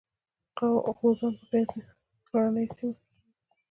غوزان په غرنیو سیمو کې کیږي.